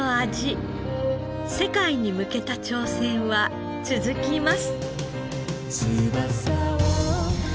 世界に向けた挑戦は続きます。